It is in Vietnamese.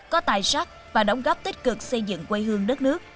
có tài sắc và đóng góp tích cực xây dựng quê hương đất nước